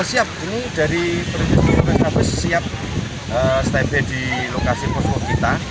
siap ini dari perintis british polda siap setiap hari di lokasi posko kita